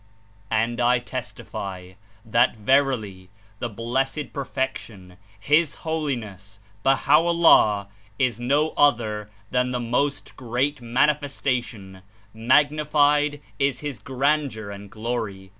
And I testify that verily the Blessed Perfection, His Holiness, Baha'o^llah, Is no other than the Most Great Manifestation — magnified Is His Gran deur and Glory